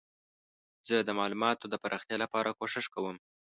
زه د معلوماتو د پراختیا لپاره کوښښ کوم.